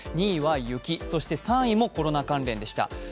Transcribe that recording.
２位は雪、そして３位もコロナ関連でした。